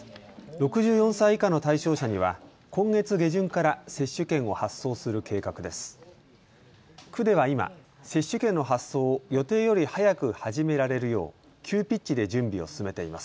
６４歳以下の対象者には今月下旬から接種券を発送する計画です。